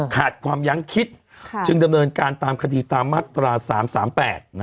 ขาดความยั้งคิดจึงดำเนินการตามคถีตามไมโตรา๓๓๘นะครับ